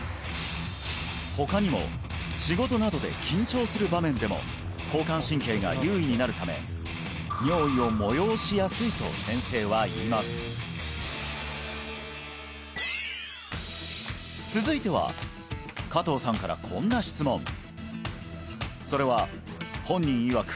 他にも仕事などで緊張する場面でも交感神経が優位になるため尿意を催しやすいと先生は言います続いては加藤さんからこんな質問それは本人いわく